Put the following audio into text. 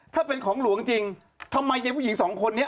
ถ้าเป็นของหลวงจริงทำไมยายผู้หญิงสองคนนี้